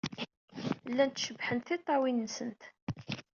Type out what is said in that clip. Llant cebḥent tiṭṭawin-nnes.